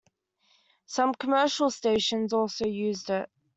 Some commercial stations also used it.